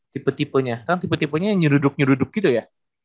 tipe tipenya kan tipe tipenya nyuruduk nyuruduk gitu ya